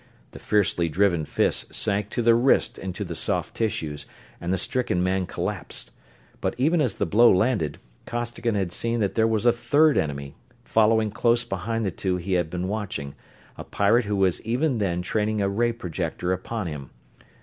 The fiercely driven fist sank to the wrist into the soft tissues and the stricken man collapsed. But even as the blow landed, Costigan had seen that there was a third enemy, following close behind the two he had been watching, a pirate who was even then training a ray projector upon him.